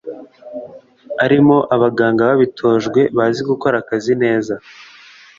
arimo abaganga babitojwe bazi gukora akazi neza